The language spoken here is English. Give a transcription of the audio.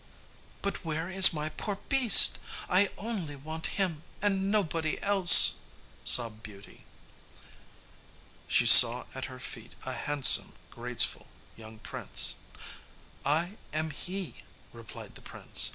"But where is my poor beast? I only want him and nobody else," sobbed Beauty. [Illustration: She saw at her feet a handsome, graceful young prince] "I am he," replied the prince.